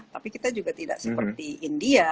tapi kita juga tidak seperti india